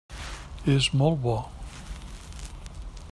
És molt bo.